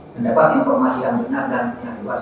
mendapat informasi yang benar dan yang luas